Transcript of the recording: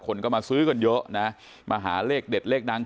คนก็มาซื้อกันเยอะนะมาหาเลขเด็ดเลขดัง